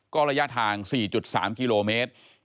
ก็ระยะทาง๔๓กิโลเมตร